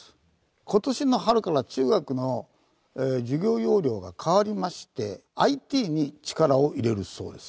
今年の春から中学の授業要領が変わりましてＩＴに力を入れるそうです。